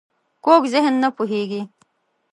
کوږ ذهن نه پوهېږي